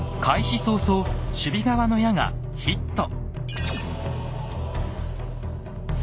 開始早々守備側の矢がヒット！